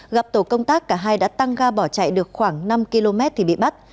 gặp tổ công tác cả hai đã tăng ga bỏ chạy được khoảng năm km thì bị bắt